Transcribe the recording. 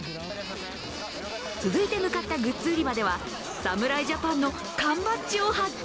続いて向かったグッズ売り場では、侍ジャパンの缶バッジを発見。